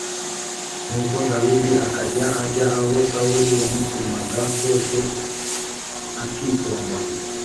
Nuko Dawidi akajya ajya aho Sawuli yamutumaga hose, akitonda.